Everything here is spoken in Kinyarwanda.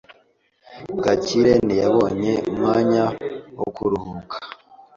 Gakire ntiyabonye umwanya wo kuruhuka.